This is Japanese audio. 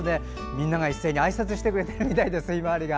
みんなが一斉にあいさつしてくれてるみたいですヒマワリが。